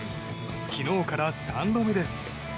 昨日から３度目です。